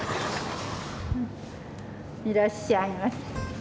いらっしゃいませ。